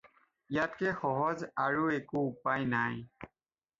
ইয়াতকে সহজ আৰু একো উপায় নাই।